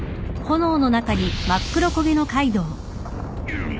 うっ！